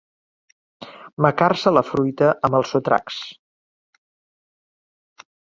Macar-se la fruita amb els sotracs.